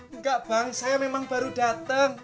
enggak bang saya memang baru datang